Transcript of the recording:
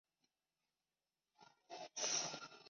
单囊齿唇兰为兰科齿唇兰属下的一个种。